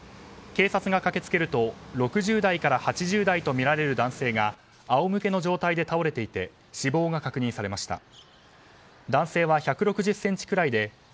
警察が駆けつけると６０代から８０代とみられる男性が仰向けの状態で倒れていて死亡が確認されました。